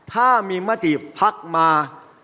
ถ้ามีมติพักมา